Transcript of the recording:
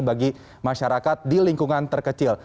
bagi masyarakat di lingkungan terkecil